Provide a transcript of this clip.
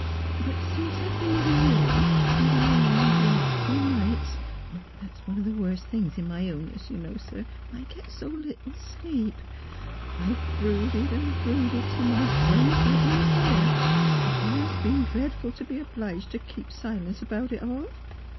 But since I have been living here — through the long wakeful nights — that is one of the worst things in my illness, you know, sir, I get so little sleep — I have brooded and brooded, till my brain felt on fire ; and it has been dreadful to be obliged to keep silence about it all.